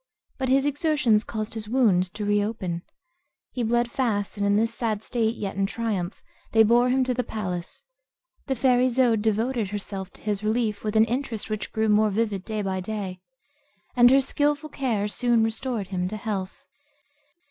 But his exertions caused his wound to reopen; he bled fast, and in this sad state, yet in triumph, they bore him to the palace. The fair Isoude devoted herself to his relief with an interest which grew more vivid day by day; and her skilful care soon restored him to health.